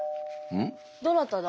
どなただ？